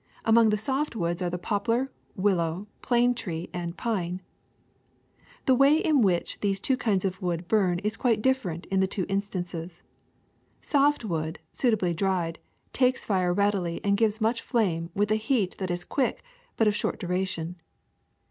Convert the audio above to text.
Among the soft woods are the poplar, willow, plane tree, and pine. ^'The way in which these two kinds of wood burn is quite different in the two instances. Soft wood, suitably dried, takes fire readily and gives much flame with a heat that is quick but of short duration.